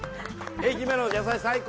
愛媛の野菜最高！